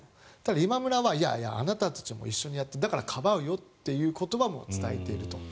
今村は、いやいやあなたたちも一緒にやってだからかばうよという言葉も伝えているよと。